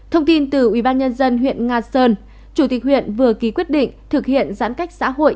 thông tin từ ubnd huyện nga sơn chủ tịch huyện vừa ký quyết định thực hiện giãn cách xã hội